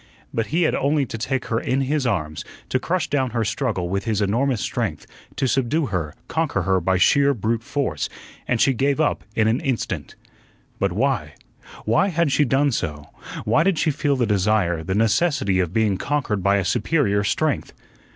But he had only to take her in his arms, to crush down her struggle with his enormous strength, to subdue her, conquer her by sheer brute force, and she gave up in an instant. But why why had she done so? Why did she feel the desire, the necessity of being conquered by a superior strength?